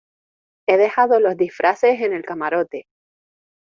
he dejado los disfraces en el camarote.